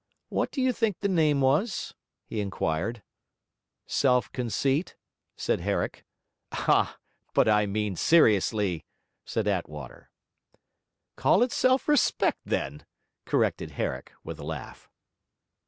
What do you think the name was?' he inquired. 'Self conceit,' said Herrick. 'Ah, but I mean seriously!' said Attwater. 'Call it self respect, then!' corrected Herrick, with a laugh.